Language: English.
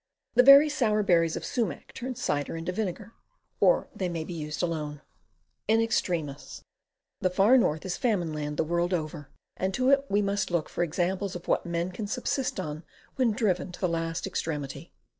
The very sour berries of sumac turn cider into vinegar, or they may be used alone. IN EXTREMIS The Far North is Famine Land, the world over, and to it we must look for examples of what men can subsist on when driven to the last extremity.